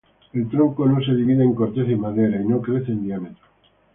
El tronco no se divide en corteza y madera y no crece en diámetro.